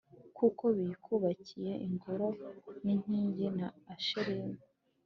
kuko biyubakiye ingoro n’inkingi na Asherimu